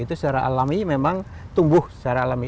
itu secara alami memang tumbuh secara alami